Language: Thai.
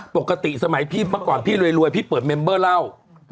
ปกติสมัยพี่เมื่อก่อนพี่รวยพี่เปิดเมมเบอร์เล่า